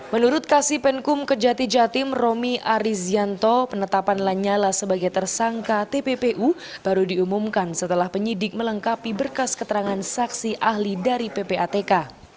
menurut kasih penkum kejati jatim romi arizianto penetapan lanyala sebagai tersangka tppu baru diumumkan setelah penyidik melengkapi berkas keterangan saksi ahli dari ppatk